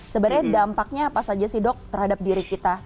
sebenarnya dampaknya apa saja sih dok terhadap diri kita